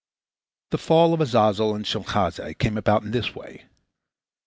The fall of Azazel and Shemhazai came about in this way.